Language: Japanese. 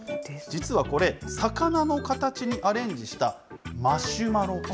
実はこれ、魚の形にアレンジしたマシュマロ。